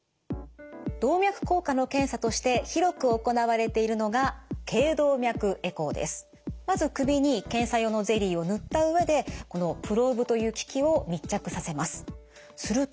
動脈硬化の検査として広く行われているのがまず首に検査用のゼリーを塗った上でこのプローブという機器を密着させます。